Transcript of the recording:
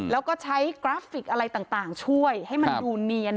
แล้วก็ใช้กราฟิกอะไรต่างช่วยให้มันดูเนียน